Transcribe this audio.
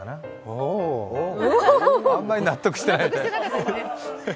おおあんまり納得してないね。